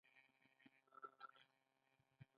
یو سړي دوه لوښي درلودل.